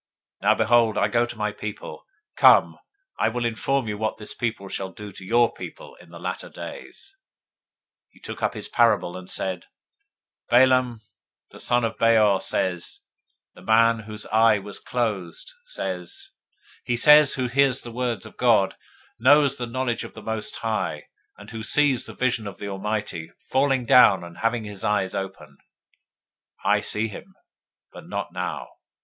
024:014 Now, behold, I go to my people: come, [and] I will advertise you what this people shall do to your people in the latter days. 024:015 He took up his parable, and said, Balaam the son of Beor says, the man whose eye was closed says; 024:016 he says, who hears the words of God, knows the knowledge of the Most High, and who sees the vision of the Almighty, Falling down, and having his eyes open: 024:017 I see him, but not now.